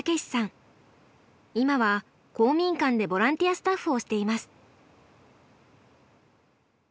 今は公民館でボランティアスタッフをしています。